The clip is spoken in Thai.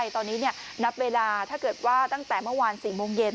ตอนนี้นับเวลาถ้าเกิดว่าตั้งแต่เมื่อวาน๔โมงเย็น